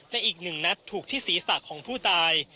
และอีกหนึ่งนัดถูกที่ศีรษะของผู้ตาย